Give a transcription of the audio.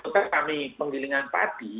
atau kami penggilingan padi